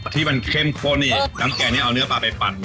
ที่มันเค็มขนิดน้ำแก่เนี่ยเอาเนื้อป่ะไปปั่น